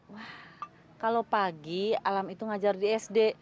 wah kalau pagi alam itu ngajar di sd